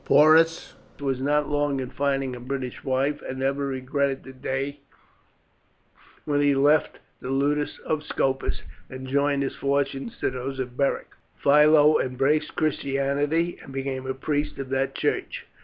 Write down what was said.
Porus was not long in finding a British wife, and never regretted the day when he left the ludus of Scopus and joined his fortunes to those of Beric. Philo embraced Christianity, and became a priest of that church.